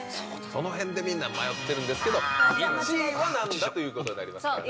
その辺でみんな迷ってるんですけど１位は何だ？ということになりますからね。